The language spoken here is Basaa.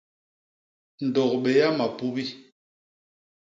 Ndôk Béa Mapubi.